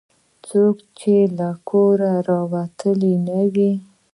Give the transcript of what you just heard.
څوک چې له کوره وتلي نه وي.